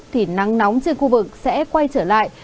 thì nắng nóng trên khu vực sẽ quay trở lại